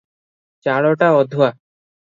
ଚାଉଳଟା ଅଧୂଆ ।